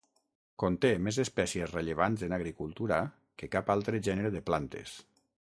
Conté més espècies rellevants en agricultura que cap altre gènere de plantes.